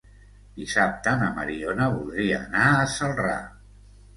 Dissabte na Mariona voldria anar a Celrà.